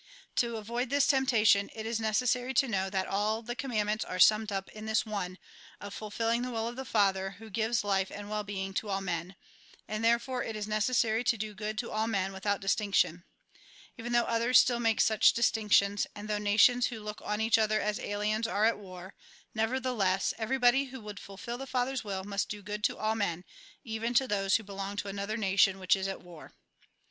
To avoid this temptation, it is necessary to know that all the commandments are summed up in this one, of fulfilling the will of the Father who gives hfe and well being to all men ; and therefore it is necessary to do good to all men, without distinction. Even though others still make such distinctions, and though nations who look on each other as aliens are at war, nevertheless, everybody who would fulfil the Father's will must do good to all men, even to those who belong to another nation which is at war.